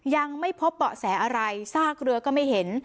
ยังไม่พบเบาะแสอะไรซากเรือก็ไม่เห็น